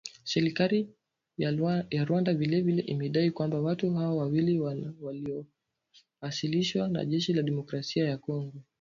Serikali ya Rwanda vile vile imedai kwamba watu hao wawili walioasilishwa na jeshi la Demokrasia ya Kongo